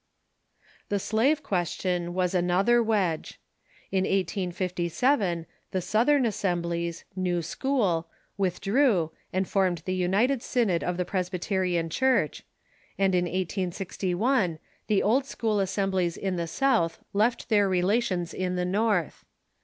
The slave question was another wedge. In 1857 the Southern Assemblies (New School) withdrew, and formed the United Synod of the Presbyterian Church, and in 1861 the Old School Assemblies in the South left their relations in the North.